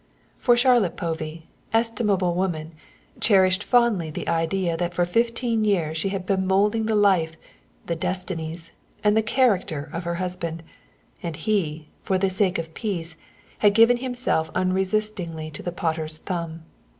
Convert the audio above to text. For Charlotte Povey, estimable woman, cherished fondly the idea that for fifteen years she had been moulding the life, the destinies, and the character of her husband, and he, for the sake of peace, had given himself unresistingly to the potter's thumb.